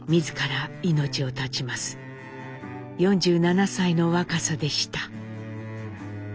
４７歳の若さでした。